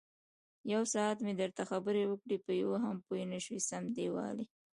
یوساعت مې درته خبرې وکړې، په یوه هم پوی نشوې سم دېوال یې.